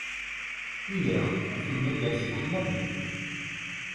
Yyaw, ad t-nemmager s leḥmadi.